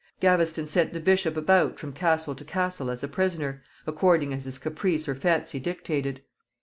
Gaveston sent the bishop about from castle to castle as a prisoner, according as his caprice or fancy dictated.